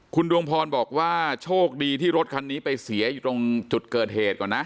คุณดวงพรบอกว่าโชคดีที่รถคันนี้ไปเสียอยู่ตรงจุดเกิดเหตุก่อนนะ